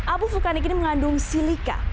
abu vulkanik ini mengandung silika